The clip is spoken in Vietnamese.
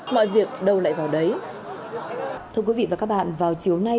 mọi việc đâu lại vào đấy